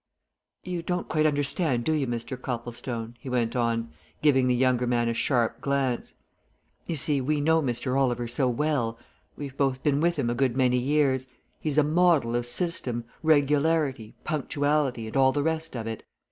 You don't quite understand, do you, Mr. Copplestone?" he went on, giving the younger man a sharp glance. "You see, we know Mr. Oliver so well we've both been with him a good many years. He's a model of system, regularity, punctuality, and all the rest of it.